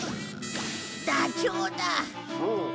ダチョウだ。